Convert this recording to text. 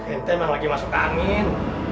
ente emang lagi masuk ke angin